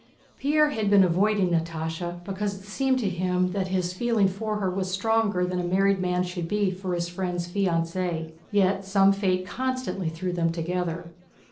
Pierre had been avoiding Natásha because it seemed to him that his feeling for her was stronger than a married man's should be for his friend's fiancée. Yet some fate constantly threw them together.